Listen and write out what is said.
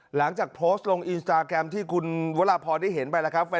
หลังจากโพสต์ลงอินสตาแกรมที่คุณวราพรได้เห็นไปแล้วครับ